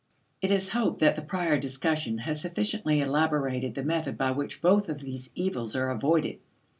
It is hoped that the prior discussion has sufficiently elaborated the method by which both of these evils are avoided.